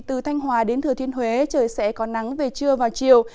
từ thanh hóa đến thừa thiên huế trời sẽ có nắng về trưa và chiều